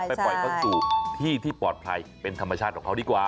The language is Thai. ไปปล่อยเขาสู่ที่ที่ปลอดภัยเป็นธรรมชาติของเขาดีกว่า